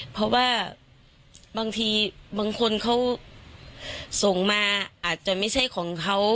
เพราะว่าบางทีบางคนเขาส่งมาอาจจะไม่ใช่ของเขา